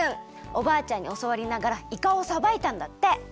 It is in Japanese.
おばあちゃんにおそわりながらイカをさばいたんだって。